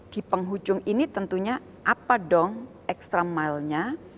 di penghujung ini tentunya apa dong ekstramailnya